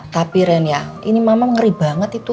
tapi ren ya ini mama ngeri banget itu